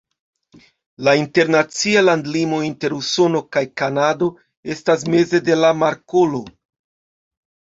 La internacia landlimo inter Usono kaj Kanado estas meze de la markolo.